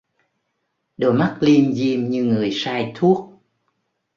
Đôi mắt lim dim như người say thuốc